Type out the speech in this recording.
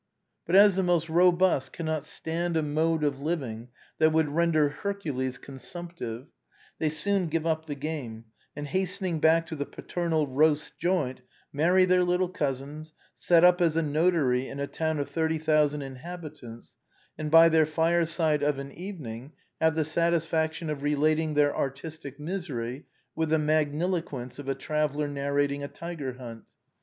But as the most robust cannot stand a mode of living that would render Hercules consumptive, they soon give up the game, and, hastening back to the paternal roast joint, marry their little cousins, set up as a notary in a town of thirty thousand inhabitants, and by their fireside of an evening have the satisfaction of relat ing their artistic misery with the magniloquence of a traveller narrating a tiger hunt.